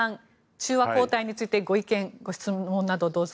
中和抗体についてご意見、ご質問など。